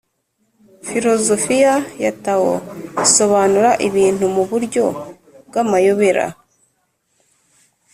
filozofiya ya tao isobanura ibintu mu buryo bw’amayobera